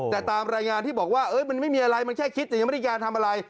แต่ตามรายงานที่บอกว่ามันไม่มีอะไรมันแค่คิดแต่ยังไม่ได้มีการทำอะไร